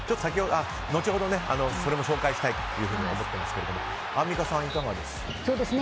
後ほどそれも紹介したいと思ってますけどアンミカさん、いかがですか。